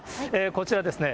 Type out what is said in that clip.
こちらですね。